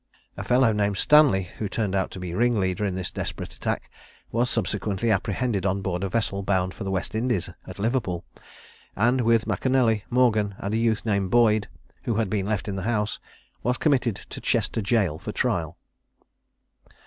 A fellow named Stanley, who turned out to be ringleader in this desperate attack, was subsequently apprehended on board a vessel bound for the West Indies, at Liverpool: and with M'Canelly, Morgan, and a youth named Boyd, who had been left in the house, was committed to Chester jail for trial.